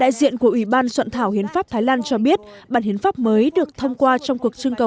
đại diện của ủy ban soạn thảo hiến pháp thái lan cho biết hiến pháp mới của nước này sẽ được phê chuẩn trong tháng bốn và cũng trong thời gian này